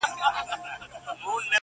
د پانوس تتي رڼا ته به شرنګی وي د پایلو -